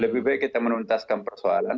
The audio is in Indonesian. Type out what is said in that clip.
lebih baik kita menuntaskan persoalan